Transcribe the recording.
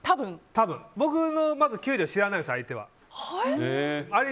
僕の給料をまず知らないです相手は。